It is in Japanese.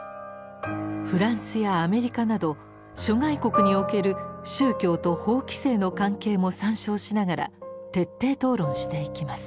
フランスやアメリカなど諸外国における宗教と法規制の関係も参照しながら徹底討論していきます。